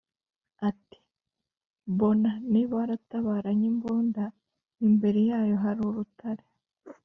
Ati: Bona niba waratabaranye imbunda, imbere yayo hali urutare!